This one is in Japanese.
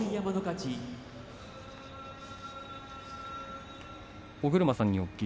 拍手尾車さん